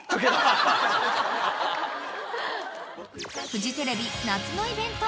［フジテレビ夏のイベント